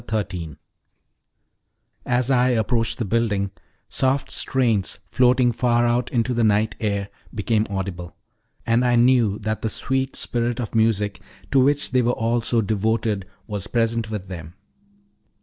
Chapter 13 As I approached the building, soft strains floating far out into the night air became audible, and I knew that the sweet spirit of music, to which they were all so devoted, was present with them.